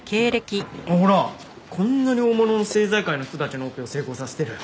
ほらこんなに大物の政財界の人たちのオペを成功させてる。